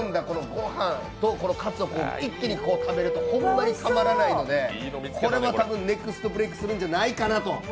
ご飯とこのカツを一気に食べるとほんまにたまらないので、これは多分、ネクストブレイクするんじゃないかと。